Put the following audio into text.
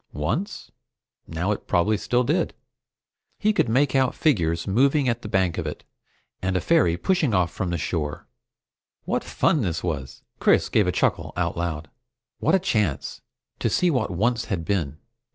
Once? Now it probably still did. He could make out figures moving at the bank of it, and a ferry pushing off from the shore. What fun this was! Chris gave a chuckle out loud. What a chance to see what once had been!